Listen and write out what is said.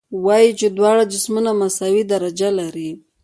وایو چې دواړه جسمونه مساوي درجه لري.